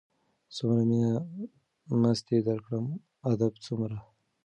څومره مينه مستي درکړم ادب څومره